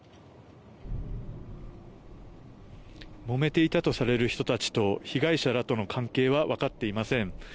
もめていたとされる人たちと被害者らとの関係はわかっていません。